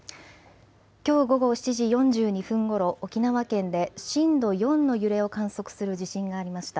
きょう午後７時４２分ごろ、沖縄県で震度４の揺れを観測する地震がありました。